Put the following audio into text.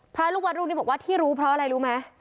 อ๋อเพราะรูปรวจรูบนี้บอกว่าที่รู้เพราะอะไรรู้ไหม